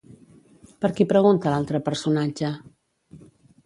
Per qui pregunta l'altre personatge?